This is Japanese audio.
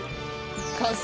完成！